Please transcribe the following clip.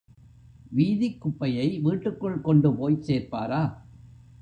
வீதிக் குப்பையை வீட்டுக்குள் கொண்டு போய்ச் சேர்ப்பாரா?